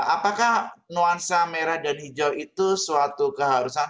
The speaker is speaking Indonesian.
apakah nuansa merah dan hijau itu suatu keharusan